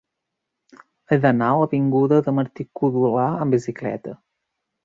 He d'anar a l'avinguda de Martí-Codolar amb bicicleta.